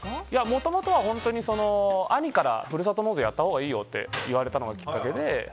もともとは兄からふるさと納税やったほうがいいよって言われたのがきっかけで。